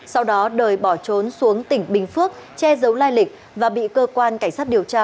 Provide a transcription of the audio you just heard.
sau đó đời bỏ trốn xuống tỉnh bình phước che giấu lai lịch và bị cơ quan cảnh sát điều tra